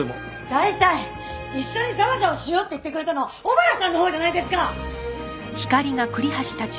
大体一緒にざわざわしようって言ってくれたのは小原さんのほうじゃないですか！